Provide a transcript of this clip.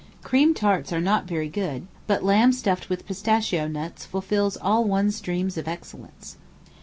Cream tarts are not very good, but lamb stuffed with pistachio nuts fulfils all one's dreams of excellence.